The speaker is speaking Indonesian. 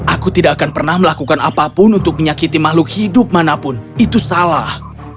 aku tidak akan pernah melakukan apapun untuk menyakiti makhluk hidup manapun itu salah